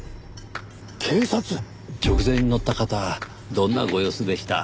直前に乗った方どんなご様子でした？